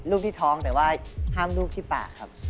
ลูกที่ท้องแต่ว่าห้ามลูกที่ปากครับ